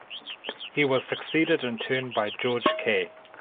He was succeeded in turn by George Kay.